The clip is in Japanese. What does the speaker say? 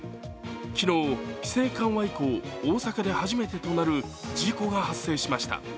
昨日、規制緩和以降、大阪で初めてとなる事故が発生しました。